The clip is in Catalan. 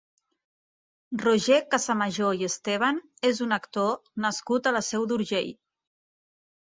Roger Casamajor i Esteban és un actor nascut a la Seu d'Urgell.